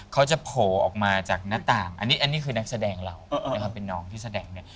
โผล่ออกมาจากหน้าต่างอันนี้คือนักแสดงเรานะครับเป็นน้องที่แสดงเนี่ย